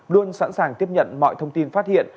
luôn sẵn sàng tiếp nhận mọi thông tin phát hiện